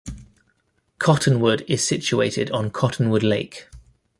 Cottonwood is situated on Cottonwood Lake.